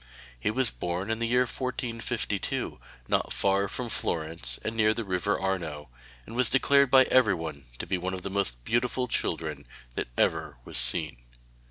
He was born in the year 1452 not far from Florence and near the river Arno, and was declared by everyone to be one of the most beautiful children that ever was seen.